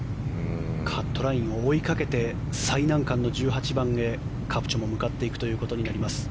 カットラインを追いかけて最難関の１８番へカプチョも向かっていくことになります。